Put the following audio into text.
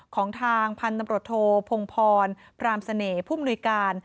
ของทางพันธมรถโทพงพรพรามเสน่ห์ภูมิหนุยการ